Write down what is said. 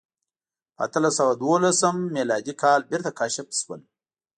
په اتلس سوه دولسم میلادي کال بېرته کشف شول.